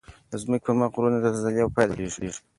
د ځمکې پر مخ غرونه د زلزلې په پایله کې جوړیږي.